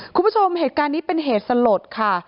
คุณผู้ชมเหตุการณ์นี้เป็นเหตุสลดค่ะ